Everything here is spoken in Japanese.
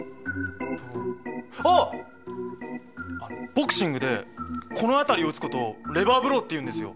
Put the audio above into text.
ボクシングでこの辺りを打つことをレバーブローって言うんですよ。